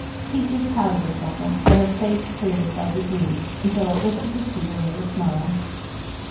Peaches pouted a second, then her face cleared by degrees, until it lifted to Peter with a smile.